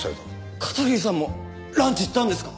片桐さんもランチ行ったんですか？